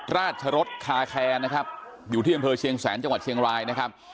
ราชรสคาแคร์นะครับอยู่ที่อำเภอเชียงแสนจังหวัดเชียงรายนะครับ